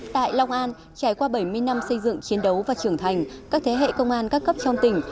tại long an trải qua bảy mươi năm xây dựng chiến đấu và trưởng thành các thế hệ công an các cấp trong tỉnh